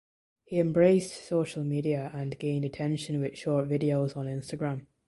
He embraced social media and gained attention with short videos on Instagram.